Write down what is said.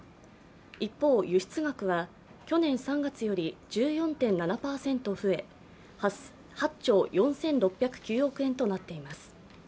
一方、輸出額は去年３月より１４．７％増え８兆４６０９億円となっています。